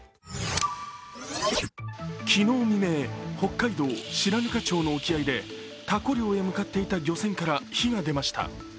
昨日未明、北海道白糠町の沖合でたこ漁へ向かっていた漁船から火が出ました。